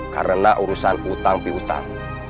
karena urusan utang pihutan